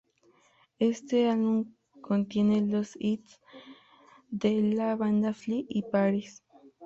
Este álbum contiene los hits de la banda "Fly" y "Paris".